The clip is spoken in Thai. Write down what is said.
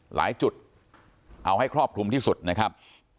หลายจุดเอาให้ครอบคลุมที่สุดนะครับ